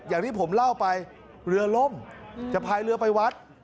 อย่างที่ผมเล่าไปเรือล่มจะพายเรือไปวัด